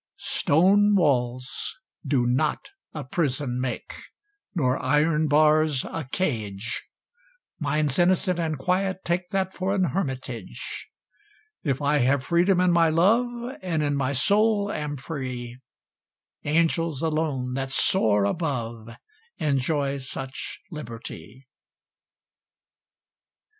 Stone walls do not a prison make, Nor iron bars a cage; Minds innocent and quiet take That for an hermitage; If I have freedom in my love And in my soul am free, Angels alone, that soar above, Enjoy such liberty.